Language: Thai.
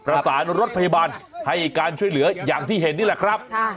ประสานรถพยาบาลให้การช่วยเหลืออย่างที่เห็นนี่แหละครับ